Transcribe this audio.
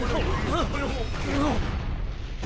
あっ。